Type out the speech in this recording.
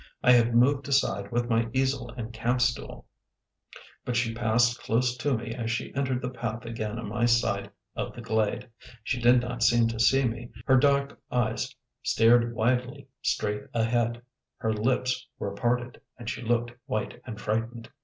I had moved aside with my easel and camp stool, but she passed close to me as she entered the path again on my side of the glade. She did not seem to see me, her dark eyes stared widely straight ahead, her lips were parted, and she looked white and frightened.